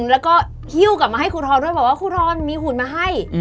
แล้วก็ฮิ้วกลับมาให้ครูทรด้วยบอกว่าครูทรมีหุ่นมาให้